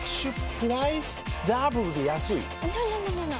プライスダブルで安いＮｏ！